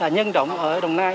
nhân động ở đồng nai